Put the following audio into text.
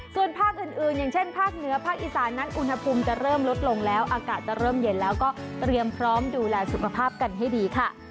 ส่วนภาคอื่นอย่างเช่นภาคเหนือภาคอีสานั้นอุณหภูมิจะเริ่มลดลงแล้วอากาศจะเริ่มเย็นแล้วก็เตรียมพร้อมดูแลสุขภาพกันให้ดีค่ะ